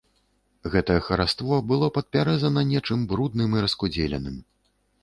Гэтае хараство было падпяразана нечым брудным і раскудзеленым.